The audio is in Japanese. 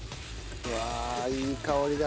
うわいい香りだな。